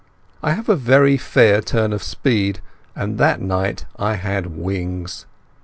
I have a very fair turn of speed, and that night I had wings.